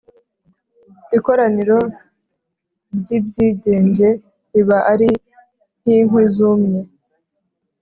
Ikoraniro ry’ibyigenge riba ari nk’inkwi zumye,